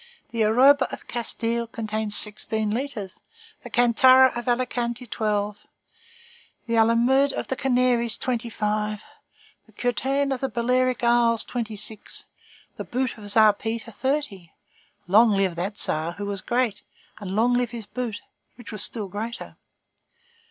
The arrobe of Castille contains sixteen litres; the cantaro of Alicante, twelve; the almude of the Canaries, twenty five; the cuartin of the Balearic Isles, twenty six; the boot of Tzar Peter, thirty. Long live that Tzar who was great, and long live his boot, which was still greater!